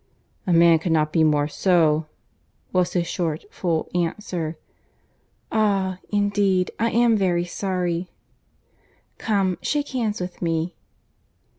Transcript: "A man cannot be more so," was his short, full answer. "Ah!—Indeed I am very sorry.—Come, shake hands with me."